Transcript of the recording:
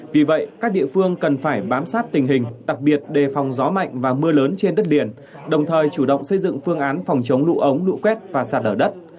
vì vậy các địa phương cần phải bám sát tình hình đặc biệt đề phòng gió mạnh và mưa lớn trên đất liền đồng thời chủ động xây dựng phương án phòng chống lũ ống lũ quét và sạt lở đất